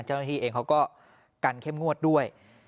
เจ้าหน้าที่เองเขาก็กันเข้มงวดด้วย